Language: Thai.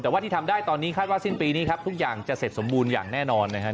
แต่ว่าที่ทำได้ตอนนี้คาดว่าสิ้นปีนี้ครับทุกอย่างจะเสร็จสมบูรณ์อย่างแน่นอนนะครับ